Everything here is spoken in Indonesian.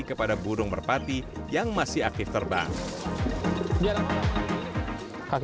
kepada burung merpati yang masih aktif terbang